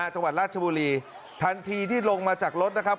จังหวัดราชบุรีทันทีที่ลงมาจากรถนะครับ